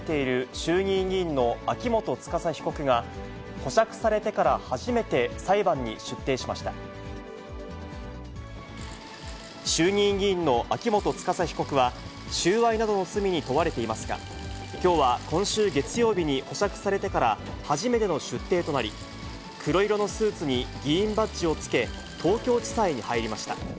衆議院議員の秋元司被告は、収賄などの罪に問われていますが、きょうは今週月曜日に保釈されてから初めての出廷となり、黒色のスーツに議員バッジをつけ、東京地裁に入りました。